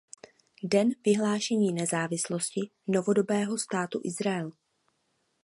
Den vyhlášení nezávislosti novodobého státu Izrael.